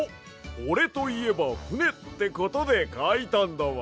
おれといえばふねってことでかいたんだわ。